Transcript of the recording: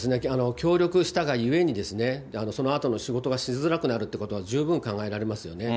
協力したがゆえに、そのあとの仕事がしづらくなるっていうことは、十分考えられますよね。